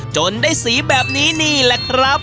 จนได้สีแบบนี้นี่แหละครับ